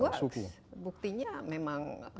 tapi itu berhasil buktinya memang